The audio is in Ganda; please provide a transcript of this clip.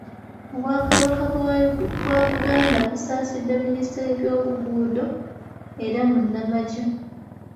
Obwakabaka bwa Buganda busaasidde Minista ow’ebyenguudo era munnamagye.